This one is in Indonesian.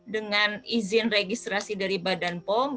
dengan izin registrasi dari badan pom